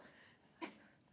えっ？